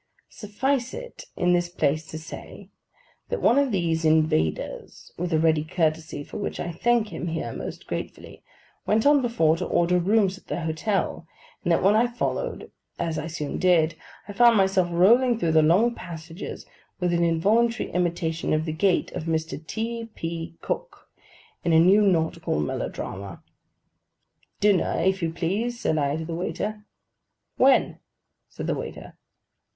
Suffice it in this place to say, that one of these invaders, with a ready courtesy for which I thank him here most gratefully, went on before to order rooms at the hotel; and that when I followed, as I soon did, I found myself rolling through the long passages with an involuntary imitation of the gait of Mr. T. P. Cooke, in a new nautical melodrama. 'Dinner, if you please,' said I to the waiter. 'When?' said the waiter.